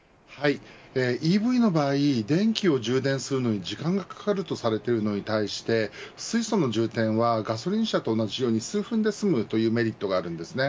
ＥＶの場合、電気を充電するのに時間がかかるとされているのに対して水素の充填はガソリン車と同じように数分で済むというメリットがあります。